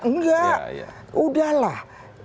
enggak udah lah